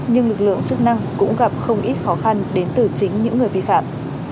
nhưng lực lượng chức năng cũng gặp không ít khó khăn đến từ chính những người vi phạm